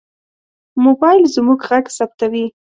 موبایل زموږ غږ ثبتوي.